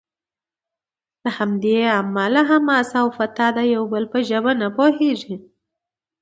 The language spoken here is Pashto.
له همدې امله حماس او فتح د یو بل په ژبه نه پوهیږي.